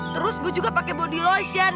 terus gue juga pakai body lotion